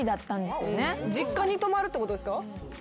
実家に泊まるってことですか？